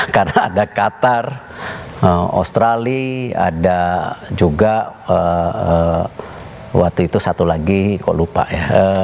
karena ada qatar australia ada juga waktu itu satu lagi kok lupa ya